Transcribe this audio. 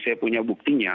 saya punya buktinya